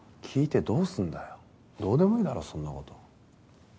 聞いてどうすんだよどうでもいいだろそんなこと。